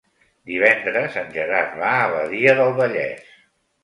Divendres en Gerard va a Badia del Vallès.